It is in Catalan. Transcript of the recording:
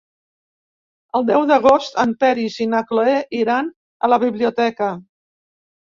El deu d'agost en Peris i na Cloè iran a la biblioteca.